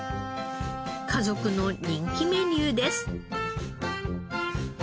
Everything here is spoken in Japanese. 家族の人気メニューです。